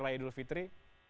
raya idul fitri